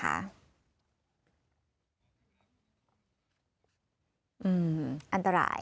อันตราย